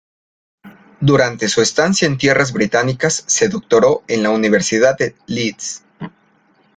Durante su estancia en tierras británicas se doctoró en la Universidad de Leeds.